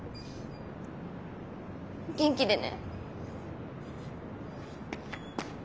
元気でね。